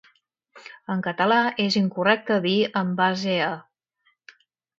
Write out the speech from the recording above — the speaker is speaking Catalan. En català, és incorrecte dir "en base a".